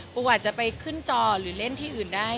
อาจจะไปขึ้นจอหรือเล่นที่อื่นได้